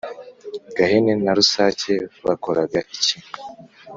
Gahene na Rusake bakoraga iki?